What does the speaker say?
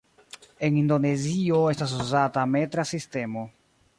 En Indonezio estas uzata metra sistemo.